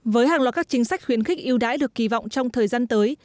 với hàng loạt các chính sách khuyến khích yêu đãi được kỳ vọng trong thời gian tới